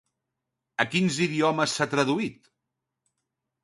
A quins idiomes s'ha traduït?